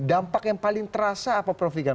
dampak yang paling terasa apa prof ikam